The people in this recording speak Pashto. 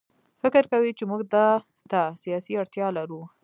فکر کوي چې موږ ده ته سیاسي اړتیا لرو.